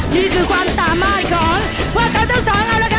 นี่คือความสามารถของพวกเขาทั้งสองเอาละครับ